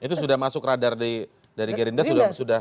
itu sudah masuk radar dari gerinda sudah siap